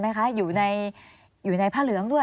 ไหมคะอยู่ในผ้าเหลืองด้วย